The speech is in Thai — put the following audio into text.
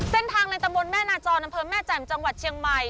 ในตำบลแม่นาจรอำเภอแม่แจ่มจังหวัดเชียงใหม่